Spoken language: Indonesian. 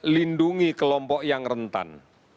lindungi kelompok yang rentan